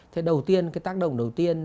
thế đầu tiên cái tác động đầu tiên